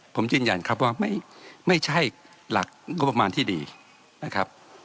ผมยืนยันครับว่าไม่ใช่หลักงบประมาณที่ดีนะครับ